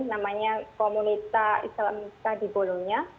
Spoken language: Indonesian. namanya komunitas islamista di bologna